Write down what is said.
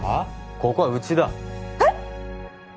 ここはうちだえっ！？